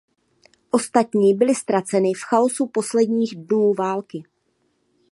Ostatní byly ztraceny v chaosu posledních dnů války.